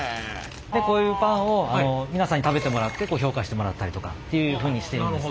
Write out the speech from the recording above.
こういうパンを皆さんに食べてもらって評価してもらったりとかっていうふうにしているんですね。